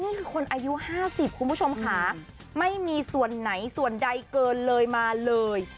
นี่คือคนอายุ๕๐คุณผู้ชมค่ะไม่มีส่วนไหนส่วนใดเกินเลยมาเลย